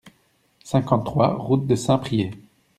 cinquante-trois route de Saint-Priest